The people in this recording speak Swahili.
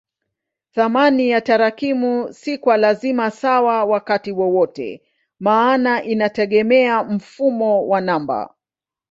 Thamani ya tarakimu si kwa lazima sawa wakati wowote maana inategemea mfumo wa namba.